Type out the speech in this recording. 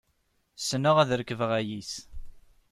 Ssneɣ ad rekbeɣ ayis.